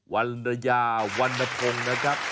วัลยาวันนภงนะครับ